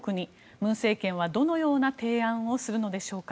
文政権はどのような提案をするのでしょうか。